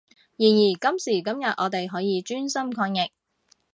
然而今時今日我哋可以專心抗疫